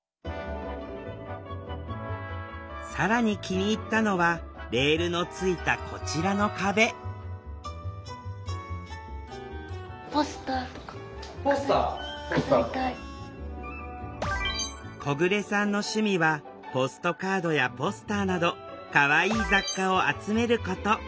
更に気に入ったのはレールのついたこちらの壁小暮さんの趣味はポストカードやポスターなどかわいい雑貨を集めること。